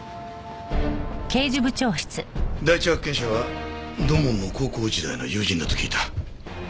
第一発見者は土門の高校時代の友人だと聞いた。